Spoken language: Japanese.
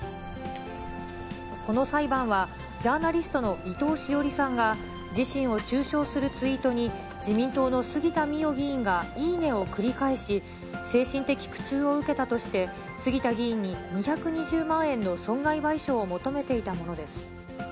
この裁判は、ジャーナリストの伊藤詩織さんが、自身を中傷するツイートに自民党の杉田水脈議員がいいねを繰り返し、精神的苦痛を受けたとして、杉田議員に２２０万円の損害賠償を求めていたものです。